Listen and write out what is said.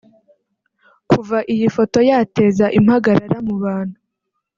Kuva iyi foto yateze impagarara mu bantu